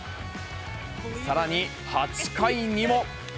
さらに８回にも。